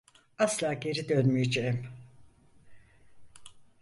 Asla geri dönmeyeceğim.